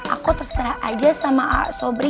aku terserah aja sama sobri